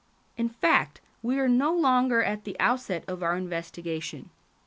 In fact, we are now no longer at the outset of our investigation.